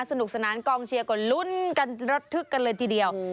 สนุกสนานกองเชียร์ก็ลุ้นกันระทึกกันเลยทีเดียว